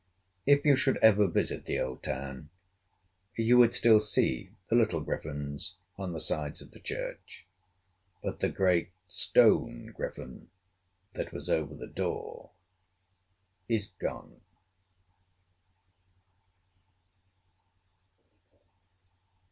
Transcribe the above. If you should ever visit the old town, you would still see the little griffins on the sides of the church; but the great stone griffin that was over the door is gone.